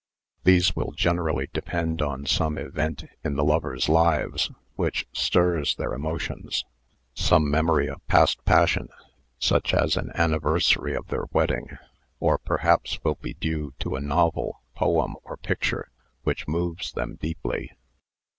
These will generally depend on some event in the lovers' lives which stirs their emotions; some memory of past passion, such as an anniversary of their wedding, or perhaps will be due to a novel, poem, or picture which moves them deeply.